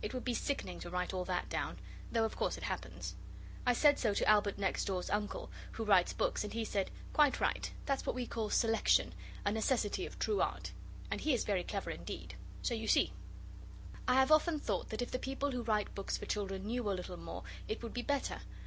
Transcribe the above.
It would be sickening to write all that down, though of course it happens. I said so to Albert next door's uncle, who writes books, and he said, 'Quite right, that's what we call selection, a necessity of true art.' And he is very clever indeed. So you see. I have often thought that if the people who write books for children knew a little more it would be better.